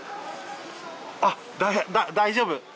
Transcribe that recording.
あっ大丈夫？